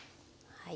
はい。